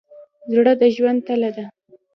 زړه د ژوند تله ده.